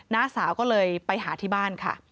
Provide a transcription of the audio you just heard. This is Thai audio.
น้าสาวก็เลยไปหาที่บ้านค่ะ